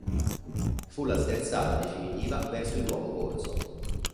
Fu la sterzata definitiva verso il nuovo corso.